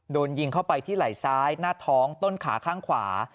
โดนยิงเข้าไปที่ไหล่ซ้ายหน้าท้องต้นขาข้างขวา